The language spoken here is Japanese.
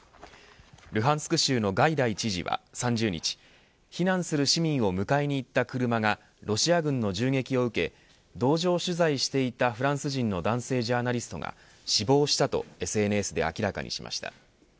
ルハンスク州のガイダイ知事は３０日避難する市民を迎えにいった車がロシア軍の銃撃を受け同乗取材していたフランス人の男性ジャーナリストが死亡したとＳＮＳで明らかにしました。